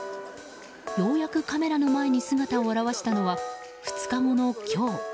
ようやくカメラの前に姿を現したのは２日後の今日。